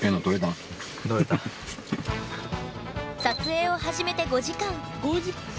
撮影を始めて５時間。